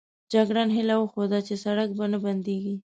جګړن هیله وښوده چې سړک به نه بندېږي.